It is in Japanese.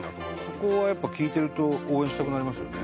そこはやっぱ聞いてると応援したくなりますよね。